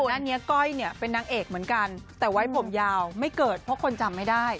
อันนี้ก้อยเนี่ยเป็นนางเอกเหมือนกันแต่ไว้ผมยาวไม่เกิดเพราะคนจำไม่ได้